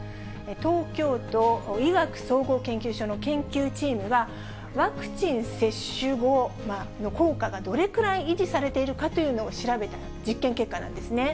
東京都医学総合研究所の研究チームがワクチン接種後の効果がどれくらい維持されているかというのを調べた実験結果なんですね。